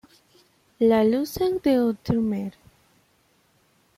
La Lucerne-d'Outremer